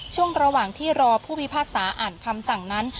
ช่วงระหว่างที่รอผู้พิพากษาอ่านคำสั่งนั้น